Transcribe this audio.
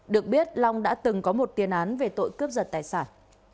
được biết long đã từng có một tiền án về tội cướp giật tài sản